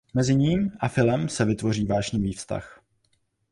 Mezi ním a Philem se vytvoří vášnivý vztah.